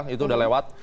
itu sudah lewat